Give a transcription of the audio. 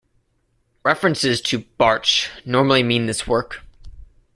References to "Bartsch" normally mean this work.